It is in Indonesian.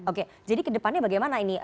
oke jadi ke depannya bagaimana ini